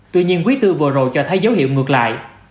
tuy nhiên quý tư vừa rồi cho thấy dấu hiệu ngược lại